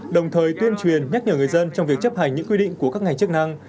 đồng thời tuyên truyền nhắc nhở người dân trong việc chấp hành những quy định của các ngành chức năng